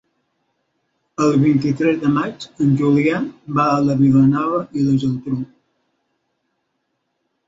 El vint-i-tres de maig en Julià va a Vilanova i la Geltrú.